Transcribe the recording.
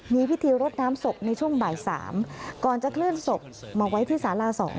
มีพิธีรดน้ำศพในช่วงบ่าย๓ก่อนจะเคลื่อนศพมาไว้ที่สารา๒